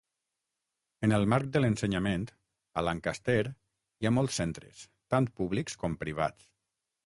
En el marc de l'ensenyament, a Lancaster hi ha molts centres, tant públics com privats.